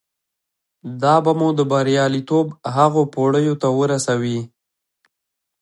دا به مو د برياليتوب هغو پوړيو ته ورسوي.